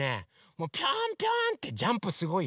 もうピョンピョンってジャンプすごいよ。